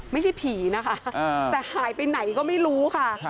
ไม่ใช่ผีนะคะแต่หายไปไหนก็ไม่รู้ค่ะ